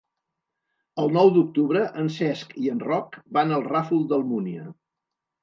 El nou d'octubre en Cesc i en Roc van al Ràfol d'Almúnia.